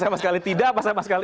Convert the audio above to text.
sama sekali tidak pak sama sekali